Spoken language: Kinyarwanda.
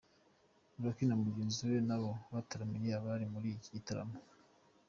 Lucky na mugenzi we nabo bataramiye abari muri iki gitaramo.